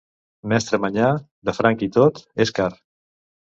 Mestre manyà, de franc i tot, és car.